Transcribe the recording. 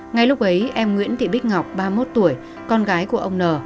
ngay lúc ấy em nguyễn thị bích ngọc ba mươi một tuổi con gái của ông n